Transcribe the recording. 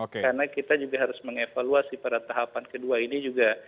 karena kita juga harus mengevaluasi pada tahapan kedua ini juga